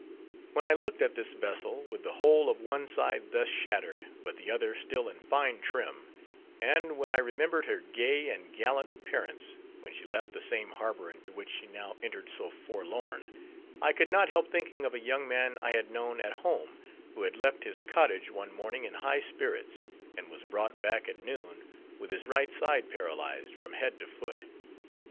_ When I looked at this vessel, with the whole of one side thus shattered, but the other still in fine trim; and when I remembered her gay and gallant appearance, when she left the same harbor into which she now entered so forlorn; I could not help thinking of a young man I had known at home, who had left his cottage one morning in high spirits, and was brought back at noon with his right side paralyzed from head to foot.